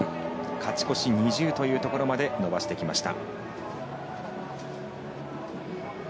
勝ち越し２０というところまで伸ばしてきました。